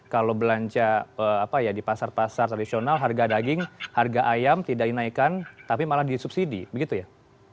kalau belanja di pasar pasar tradisional harga daging harga ayam tidak dinaikkan tapi malah disubsidi begitu ya